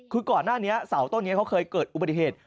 คือก่อนหน้านี้เสาต้นนี้เขาเคยเกิดอุบัติเหตุ